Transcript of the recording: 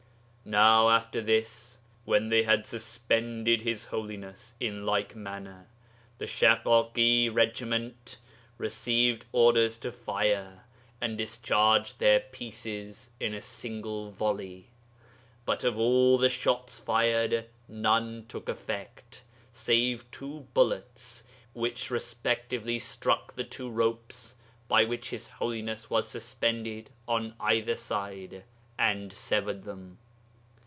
"] 'Now after this, when they had suspended His Holiness in like manner, the Shaḳaḳi regiment received orders to fire, and discharged their pieces in a single volley. But of all the shots fired none took effect, save two bullets, which respectively struck the two ropes by which His Holiness was suspended on either side, and severed them.